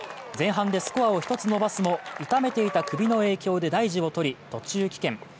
前半でスコアを１つ伸ばすも痛めていた首の影響で大事をとり途中棄権。